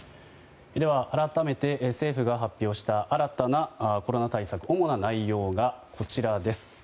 改めて政府が発表した新たなコロナ対策の主な内容がこちらです。